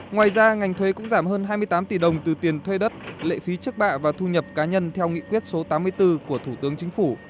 ngoài ra ngành thuế cũng giảm hơn hai mươi tám tỷ đồng từ tiền thuê đất lệ phí trước bạ và thu nhập cá nhân theo nghị quyết số tám mươi bốn của thủ tướng chính phủ